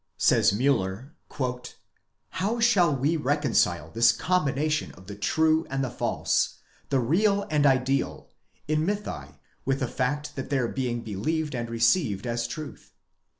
How," says Miiller 6, " shall we reconcile this combination of the true and the false, the real and ideal, in mythi, with the fact of their being believed and received as truth?